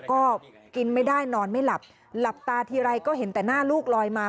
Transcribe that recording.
ก็กินไม่ได้นอนไม่หลับหลับตาทีไรก็เห็นแต่หน้าลูกลอยมา